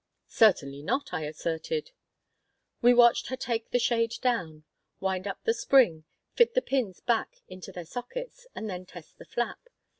"Certainly not," I asserted We watched her take the shade down, wind up the spring, fit the pins back into their sockets, and then test the flap.